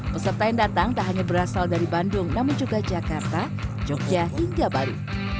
peserta yang datang tak hanya berasal dari bandung namun juga jakarta jogja hingga bali